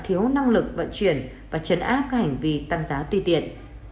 thiếu năng lực vận chuyển và chấn áp các hành vi tăng giá tuy tiện